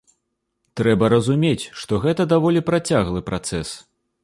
Трэба разумець, што гэта даволі працяглы працэс.